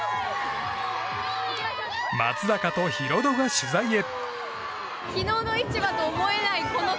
松坂とヒロドが取材へ。